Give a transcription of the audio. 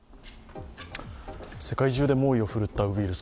世界中で猛威を振るったウイルス。